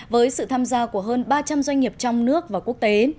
với sự tham gia của hơn ba trăm linh doanh nghiệp trong nước và quốc tế